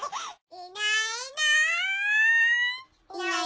いないいない。